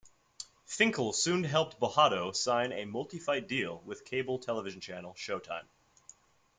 Finkel soon helped Bojado sign a multi-fight deal with cable television channel Showtime.